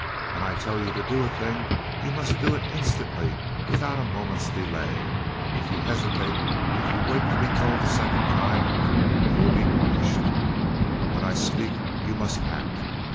When I tell you to do a thing, you must do it instantly without a moment's delay. If you hesitate, if you wait to be told the second time, you will be punished. When I speak you must act.